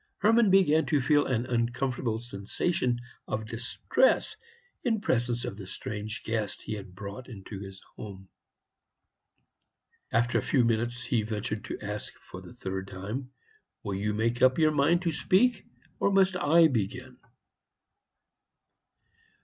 Hermann began to feel an uncomfortable sensation of distress in presence of the strange guest he had brought to his home. After a few minutes he ventured to ask for the third time, "Will you make up your mind to speak, or must I begin?"